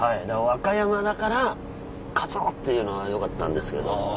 和歌山だからカツオっていうのがよかったんですけど。